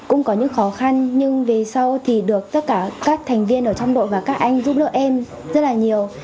cũng có những khó khăn nhưng về sau thì được tất cả các thành viên ở trong đội và các anh giúp đỡ em rất là nhiều